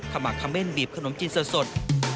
ข้ามาคำเม้นบีบขนมจิ้นสด